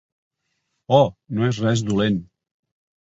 Oh, no és res dolent.